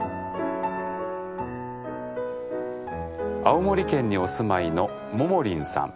青森県にお住まいのももりんさん。